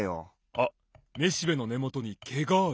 あっめしべのねもとにけがある。